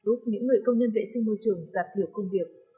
giúp những người công nhân vệ sinh môi trường giặt được công việc